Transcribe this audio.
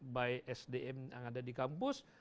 baik sdm yang ada di kampus